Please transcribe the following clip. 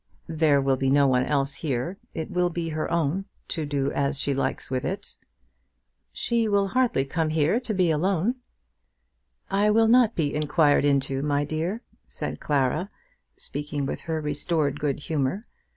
"There will be no one else here. It will be her own, to do as she likes with it." "She will hardly come here, to be alone." "I will not be inquired into, my dear," said Clara, speaking with restored good humour.